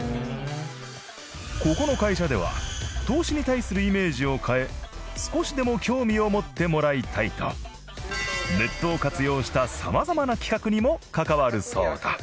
ここの会社では投資に対するイメージを変え少しでも興味を持ってもらいたいとネットを活用した様々な企画にも関わるそうだ。